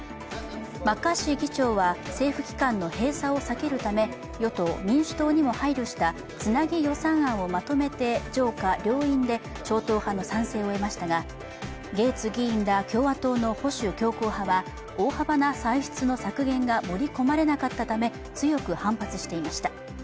マッカーシー議長は政府機関の閉鎖を避けるため、与党・民主党にも配慮したつなぎ予算案をまとめて上下両院で超党派の賛成を得ましたが、ゲーツ議員ら共和党の保守強硬派は大幅な歳出の削減が盛り込まれなかったため、強く反発していました。